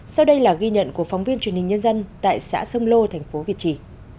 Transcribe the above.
sau đây là ghi nhận của phóng viên truyền hình nhân dân tại xã sông lô thành phố việt trì